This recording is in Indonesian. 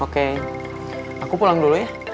oke aku pulang dulu ya